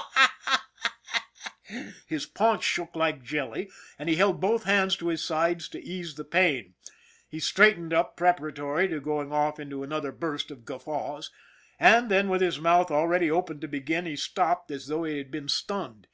Haw, haw !" His paunch shook like jelly, and he held both hands to his sides to ease the pain. He straightened up pre paratory to going off into another burst of guffaws, and then, with his mouth already opened to begin, he stopped as though he had been stunned.